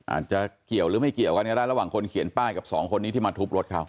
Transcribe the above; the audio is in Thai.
อาจจะเกี่ยวหรือไม่เกี่ยวกันก็ได้ระหว่างคนเขียนป้ายกับสองคนนี้ที่มาทุบรถเขา